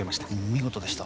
見事でした。